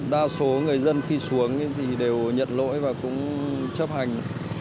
đa số người dân khi xuống thì đều nhận lỗi và cũng chấp hành